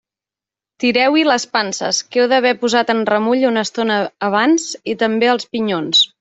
Tireu-hi les panses, que heu d'haver posat en remull una estona abans, i també els pinyons.